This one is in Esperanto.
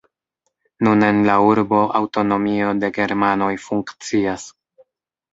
Nun en la urbo aŭtonomio de germanoj funkcias.